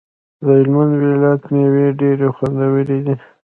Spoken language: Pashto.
د هلمند ولایت ميوی ډيری خوندوری دی